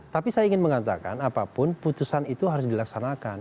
tapi saya ingin mengatakan apapun putusan itu harus dilaksanakan